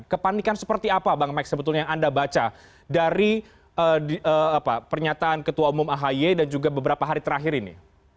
kepanikan seperti apa bang max sebetulnya yang anda baca dari pernyataan ketua umum ahi dan juga beberapa hari terakhir ini